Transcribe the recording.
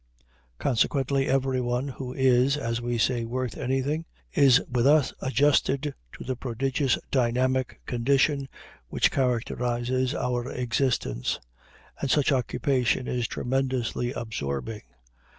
Consequently everyone who is, as we say, worth anything, is with us adjusted to the prodigious dynamic condition which characterizes our existence. And such occupation is tremendously absorbing.